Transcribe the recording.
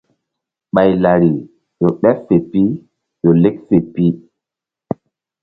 Ye ɓay lari ƴo ɓeɓ fe pi ƴo lek fe pi.